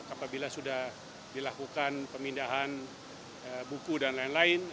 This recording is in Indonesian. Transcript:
apabila sudah dilakukan pemindahan buku dan lain lain